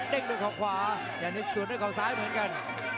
เด้งด้วยเข้าขวายานิสต์สูดด้วยเข้าซ้ายเหมือนกัน